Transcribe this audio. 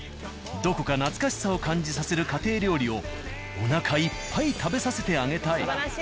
どこか懐かしさを感じさせる家庭料理をおなかいっぱい食べさせてあげたい。